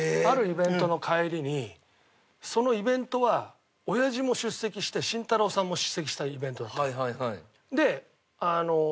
あるイベントの帰りにそのイベントはおやじも出席して慎太郎さんも出席したイベントだったの。